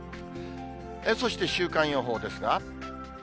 そして、週間予報ですが。